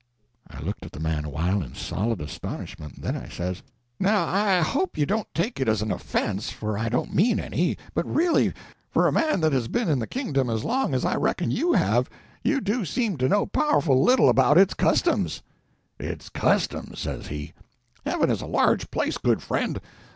I looked at the man awhile in solid astonishment; then I says— "Now, I hope you don't take it as an offence, for I don't mean any, but really, for a man that has been in the Kingdom as long as I reckon you have, you do seem to know powerful little about its customs." "Its customs!" says he. "Heaven is a large place, good friend.